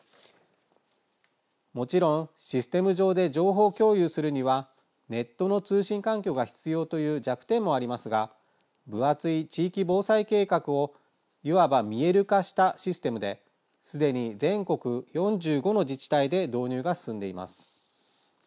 もちろんシステム上で情報共有するにはネットの通信環境が必要という弱点もありますが分厚い地域防災計画をいわば見える化したシステムですでに全国４５の自治体で導入が進んでいます。